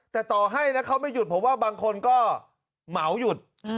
แต่ต่อให้นะเขาไม่หยุดผมว่าบางคนก็เหมาหยุด